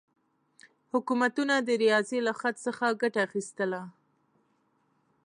حکومتونه د ریاضي له خط څخه ګټه اخیستله.